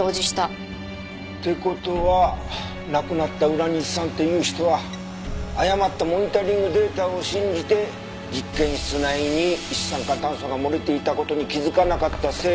って事は亡くなった浦西さんという人は誤ったモニタリングデータを信じて実験室内に一酸化炭素が漏れていた事に気づかなかったせいで。